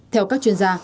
theo các chuyên gia